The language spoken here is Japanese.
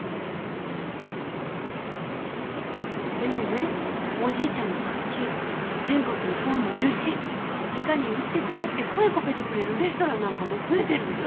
でもねおじいちゃんのカキ全国にファンもいるしじかに売ってくれって声かけてくれるレストランなんかも増えてるのよ。